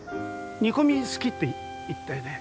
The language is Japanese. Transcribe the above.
煮込み好きって言ったよね？